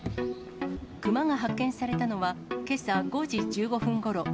熊が発見されたのは、けさ５時１５分ごろ。